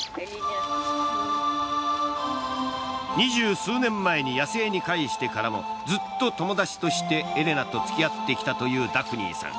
二十数年前に野生に返してからもずっと友達としてエレナと付き合ってきたというダフニーさん。